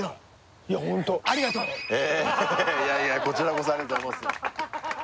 いやいやこちらこそありがとうございます